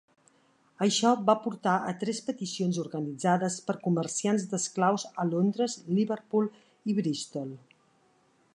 Això va portar a tres peticions organitzades per comerciants d'esclaus a Londres, Liverpool i Bristol.